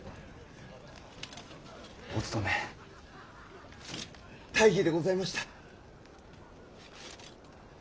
お務め大儀でございました。